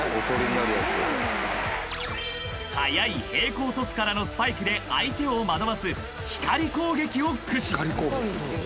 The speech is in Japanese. ［速い平行トスからのスパイクで相手を惑わすひかり攻撃を駆使］